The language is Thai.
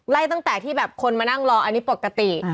ตั้งแต่ที่แบบคนมานั่งรออันนี้ปกติ